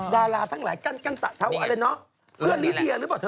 ดาราทั้งหลายกั้นแถวอะไรเนอะเพื่อนลิเดียหรือเปล่าเธอ